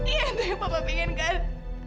iya itu yang papa pengen kan